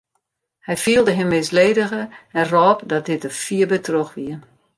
Hy fielde him misledige en rôp dat dit der fier by troch wie.